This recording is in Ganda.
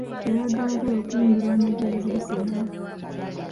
Eyabadde ayagala okuyingira amagye yazirise n'afa.